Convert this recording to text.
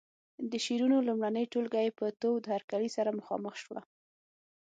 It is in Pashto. د شعرونو لومړنۍ ټولګه یې په تود هرکلي سره مخامخ شوه.